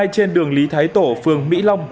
trên đường lý thái tổ phường mỹ long